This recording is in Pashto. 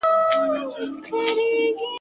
له بل وي ورکه د مرګي چاره !.